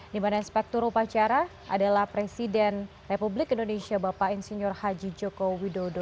di mana inspektur upacara adalah presiden republik indonesia bapak insinyur haji joko widodo